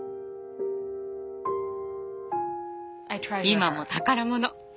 今も宝物。